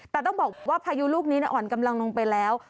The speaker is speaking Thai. แต่ต้องบอกว่าพายุลูกนี้อ่อนกำลังลงไปแล้ว